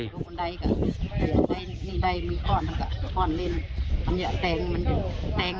มีดัยมีก้อนก่อนค่ะ